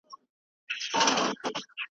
احساساتي ګټه د فاشیزم بنسټ جوړوي.